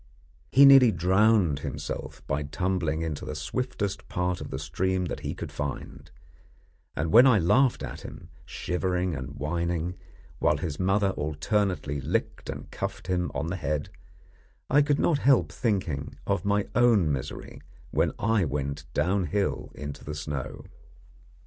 He nearly drowned himself by tumbling into the swiftest part of the stream that he could find, and when I laughed at him, shivering and whining, while his mother alternately licked and cuffed him on the head, I could not help thinking of my own misery when I went downhill into the snow.